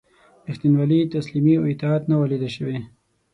ریښتینولي، تسلیمي او اطاعت نه وه لیده شوي.